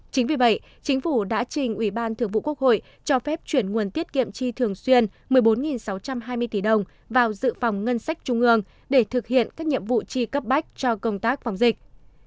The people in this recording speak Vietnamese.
chính vì vậy chính phủ đã trình ủy ban thượng vụ quốc hội cho phép chuyển nguồn tiết kiệm chi thường xuyên một mươi bốn sáu trăm hai mươi tỷ đồng vào dự phòng ngân sách trung ương để thực hiện các nhiệm vụ chi cấp bách cho công tác phòng dịch